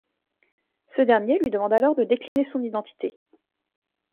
Ce dernier lui demande alors de décliner son identité.